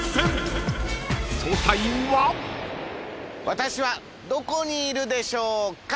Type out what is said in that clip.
私はどこにいるでしょうか。